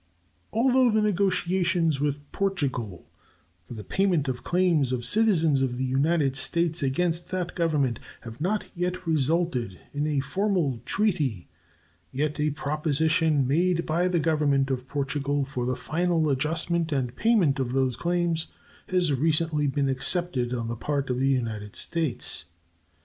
Although the negotiations with Portugal for the payment of claims of citizens of the United States against that Government have not yet resulted in a formal treaty, yet a proposition, made by the Government of Portugal for the final adjustment and payment of those claims, has recently been accepted on the part of the United States.